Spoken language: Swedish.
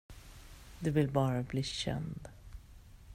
Du vill bara bli känd.